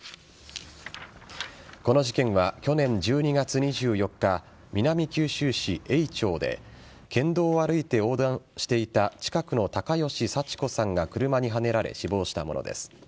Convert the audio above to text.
この事件は、去年１２月２４日南九州市頴娃町で県道を歩いて横断していた近くの高吉サチ子さんが車にはねられ死亡したものです。